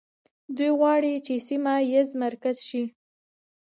دوی غواړي چې سیمه ییز مرکز شي.